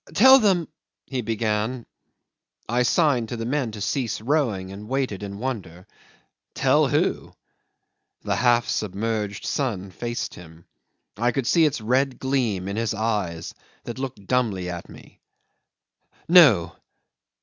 "Tell them ..." he began. I signed to the men to cease rowing, and waited in wonder. Tell who? The half submerged sun faced him; I could see its red gleam in his eyes that looked dumbly at me. ...